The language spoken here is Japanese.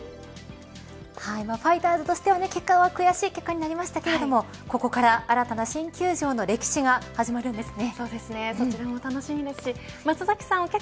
ファイターズとしては、結果は悔しい結果になりましたけれどもここから新たな新球場の歴史が始まるんですね。